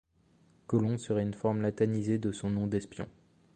Colomb serait une forme latinisée de son nom d'espion.